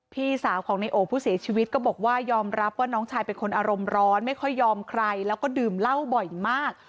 พี่สาวของในโอผู้เสียชีวิตก็บอกว่ายอมรับว่าน้องชายเป็นคนอารมณ์ร้อนไม่ค่อยยอมใครแล้วก็ดื่มเหล้าบ่อยมาก